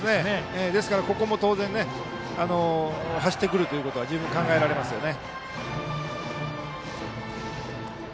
ですから、ここも当然走ってくることは十分考えられますね。